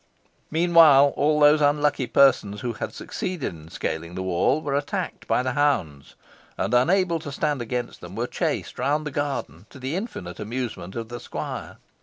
Meanwhile, all those unlucky persons who had succeeded in scaling the wall were attacked by the hounds, and, unable to stand against them, were chased round the garden, to the infinite amusement of the squire.